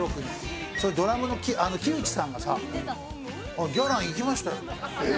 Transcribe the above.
ドラムの木内さんがギャラン行きましたよって